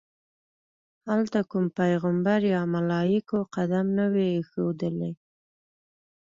هلته کوم پیغمبر یا ملایکو قدم نه وي ایښودلی.